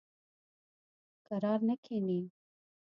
کرار نه کیني.